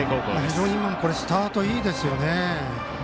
非常にスタートいいですね。